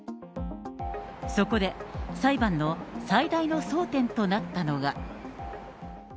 そこで裁判の最大の争点となったのが。